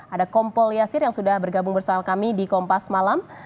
ada kompol yasir yang sudah bergabung bersama kami di kompas malam